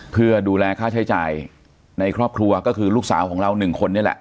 เพื่อดูแลค่าใช้จ่ายในครอบครัวก็คือลูกสาวของเราหนึ่งคนนี่แหละ